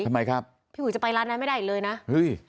ทำไมครับพี่อุ๋ยจะไปร้านนั้นไม่ได้อีกเลยนะเฮ้ย